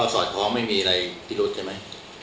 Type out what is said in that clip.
แต่ก็สอดท้องไม่มีอะไรปิดลดใช่ไหม